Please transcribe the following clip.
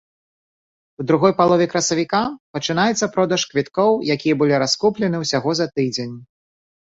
У другой палове красавіка пачынаецца продаж квіткоў, якія былі раскуплены ўсяго за тыдзень.